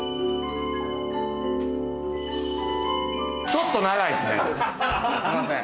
ちょっと長いっすね。